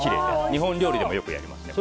日本料理でもよくやりますね。